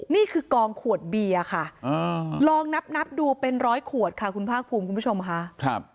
นี่คือกองขวดเบียร์ค่ะลองนับดูเป็นร้อยขวดค่ะคุณภาคภูมิคุณผู้ชมค่ะ